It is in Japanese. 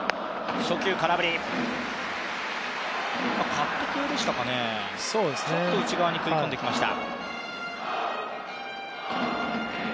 カット系でしたかね、ちょっと内側に食い込んできました。